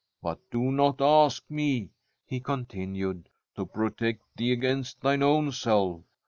But do not ask me,' he continued, * to pro tect thee against thine own self.